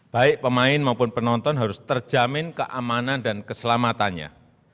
baik pemain maupun penonton harus terjamin keamanan dan keselamatannya